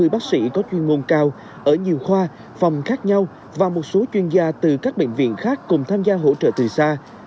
một mươi bác sĩ có chuyên môn cao ở nhiều khoa phòng khác nhau và một số chuyên gia từ các bệnh viện khác cùng tham gia hỗ trợ từ xa